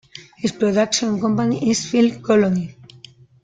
His production company is FilmColony.